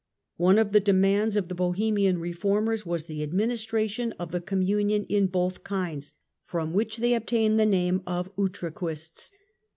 One of the demands of the Bohemian reformers was the administration of the Communion in both kinds, from which they obtained EMPIRE AND PAPACY, 1414 1453 167 the name of Utraquists.